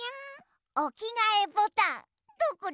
おきがえボタンどこ？